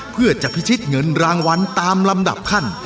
เพื่อจะพิชิตเงินรางวัลตามลำดับขั้น